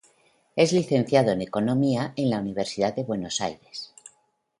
Es licenciado en Economía en la Universidad de Buenos Aires.